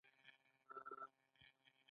دا د اقتصادي اوضاع د تغیراتو تابع ده.